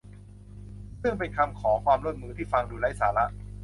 ซึ่งเป็นคำขอความร่วมมือที่ฟังดูไร้สาระ